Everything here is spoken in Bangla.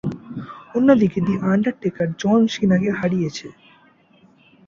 অন্যদিকে, দি আন্ডারটেকার জন সিনাকে হারিয়েছে।